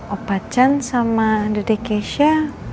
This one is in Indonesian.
opacan sama dede keisha